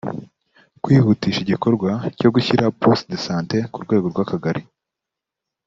kwihutisha igikorwa cyo gushyira poste de sant ku rwego rw akagali